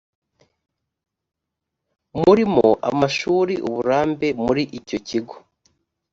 murimo amashuri uburambe muri icyo kigo